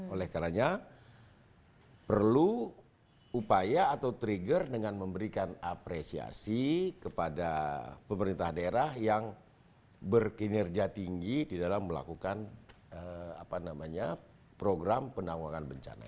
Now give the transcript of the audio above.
oleh karena perlu upaya atau trigger dengan memberikan apresiasi kepada pemerintah daerah yang berkinerja tinggi di dalam melakukan program penanggulangan bencana